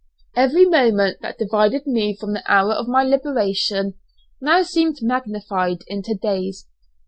Every moment that divided me from the hour of my liberation now seemed magnified into days.